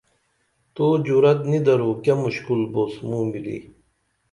تو جُرت نی درو کیہ مُشکُل بُوس موں ملی